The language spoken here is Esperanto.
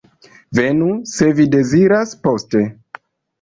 Venu, se vi deziras, poste.